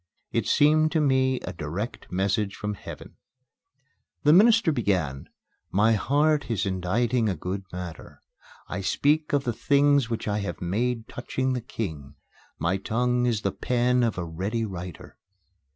It seemed to me a direct message from Heaven. The minister began: "My heart is inditing a good matter: I speak of the things which I have made touching the king: my tongue is the pen of a ready writer."